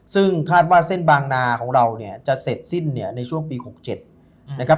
ซึ่งคาดว่าเส้นบางนาของเราเนี่ยจะเสร็จสิ้นเนี่ยในช่วงปี๖๗นะครับ